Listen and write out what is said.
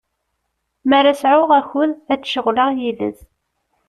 Mi ara sɛuɣ akud, ad d-ceɣleɣ yid-s.